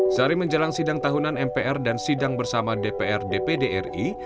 sehari menjelang sidang tahunan mpr dan sidang bersama dpr dpd ri